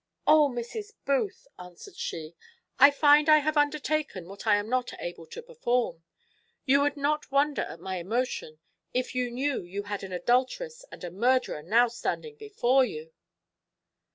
"O, Mrs. Booth!" answered she, "I find I have undertaken what I am not able to perform. You would not wonder at my emotion if you knew you had an adulteress and a murderer now standing before you."